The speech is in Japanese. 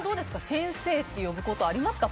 先生と呼ぶことありますか？